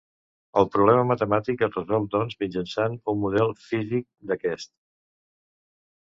El problema matemàtic es resol doncs mitjançant un model físic d'aquest.